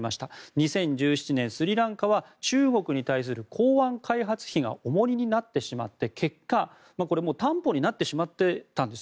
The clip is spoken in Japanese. ２０１７年スリランカは中国に対する港湾開発費が重荷になってしまって結果、担保になってしまっていたんです。